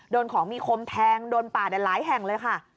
โดนของมีคมแทงโดนป่าได้หลายแห่งเลยค่ะ